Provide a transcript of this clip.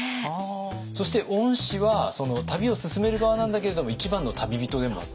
そして御師は旅を勧める側なんだけれども一番の旅人でもあった。